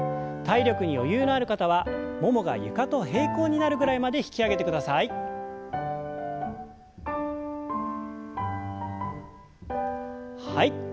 体力に余裕のある方はももが床と平行になるぐらいまで引き上げてください。